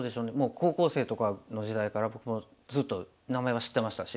高校生とかの時代から僕ずっと名前は知ってましたし。